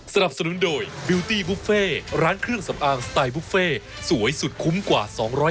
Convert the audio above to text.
สนับสนุนโดยบิวตี้บุฟเฟ่ร้านเครื่องสำอางสไตล์บุฟเฟ่สวยสุดคุ้มกว่า๒๐๐